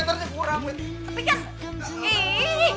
tuh kan lo kece amat